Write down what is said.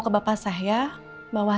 ke bapak saya bahwa